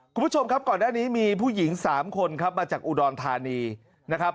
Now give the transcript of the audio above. คุณผู้ชมครับก่อนหน้านี้มีผู้หญิง๓คนครับมาจากอุดรธานีนะครับ